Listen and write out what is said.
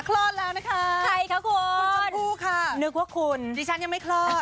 คลอดแล้วนะคะใครคะคุณคุณชมพู่ค่ะนึกว่าคุณดิฉันยังไม่คลอด